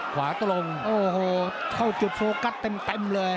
ขวาตรงโอ้โหเข้าจุดโฟกัสเต็มเลย